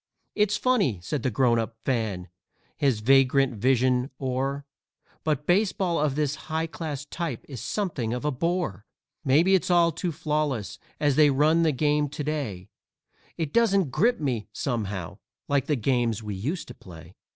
"It's funny," said the Grown up Fan, his vagrant vision o'er, "But baseball of this high class type is something of a bore. Maybe it's all too flawless as they run the game to day It doesn't grip me, somehow, like the games we used to play."